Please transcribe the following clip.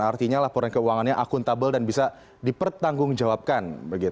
artinya laporan keuangannya akuntabel dan bisa dipertanggungjawabkan